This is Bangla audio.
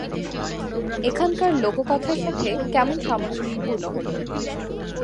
এখানকার লোককথার সাথে কেমন সামঞ্জস্যপূর্ণ হল?